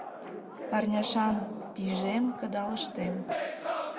Парняшан пижем кыдалыштем